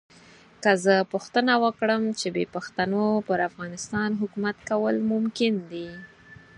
که زه پوښتنه وکړم چې بې پښتنو پر افغانستان حکومت کول ممکن دي.